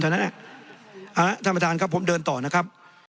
ฉะนั้นท่านประธานครับผมเดินต่อนะครับ